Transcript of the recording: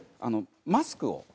あのマスクを。